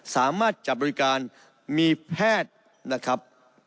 สามารถจับบริการมีแพทย์นะครับ